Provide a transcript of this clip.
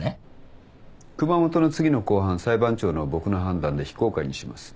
熊本の次の公判裁判長の僕の判断で非公開にします。